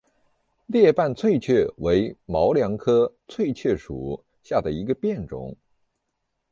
裂瓣翠雀为毛茛科翠雀属下的一个变种。